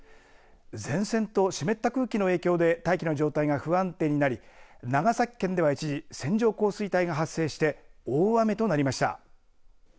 前線と湿った空気の影響で大気の状態が不安定になり長崎県では一時線状降水帯が発生して大雨となりました。